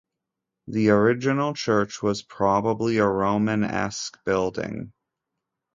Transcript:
The original church was probably a Romanesque building.